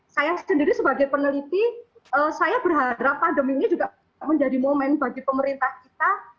saya sendiri sebagai peneliti saya berharap pandemi ini juga menjadi momen bagi pemerintah kita